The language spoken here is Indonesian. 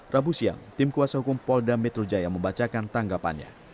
rabu siang tim kuasa hukum polda metro jaya membacakan tanggapannya